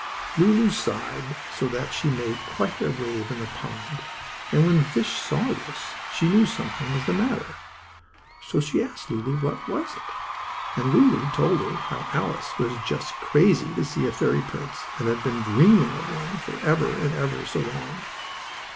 Lulu sighed so that she made quite a wave in the pond, and when the fish saw this she knew something was the matter. So she asked Lulu what it was, and Lulu told her how Alice was just crazy to see a fairy prince, and had been dreaming of one for ever and ever so long.